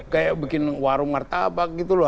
kayak bikin warung martabak gitu loh